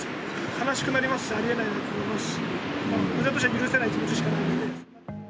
悲しくなりますし、ありえないと思いますし、親としては許せない気持ちしかないです。